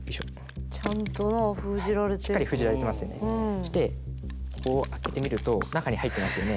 そしてこう開けてみると中に入ってますよね。